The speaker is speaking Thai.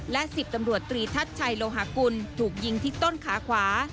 และ๑๐ตำรวจตรีทัศน์ชัยโลหากุลถูกยิงที่ต้นขาขวา